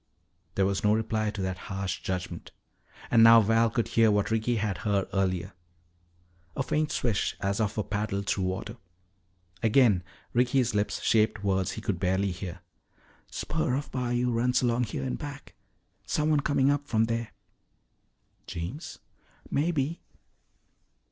There was no reply to that harsh judgment. And now Val could hear what Ricky had heard earlier a faint swish as of a paddle through water. Again Ricky's lips shaped words he could barely hear. "Spur of bayou runs along here in back. Someone coming up from there." "Jeems?" "Maybe."